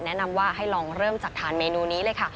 แนะนำว่าให้ลองเริ่มจากทานเมนูนี้เลยค่ะ